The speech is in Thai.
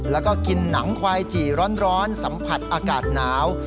แล้วก็กินหนังควายจี่ร้อนสัมผัสอากาศหนาว